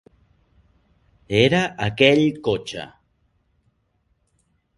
Era aquell cotxe.